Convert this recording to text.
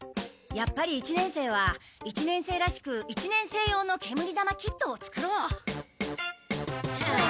やっぱり一年生は一年生らしく一年生用の煙玉キットを作ろう。はあ。